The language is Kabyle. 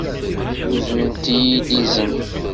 Uznent-iyi-d izen.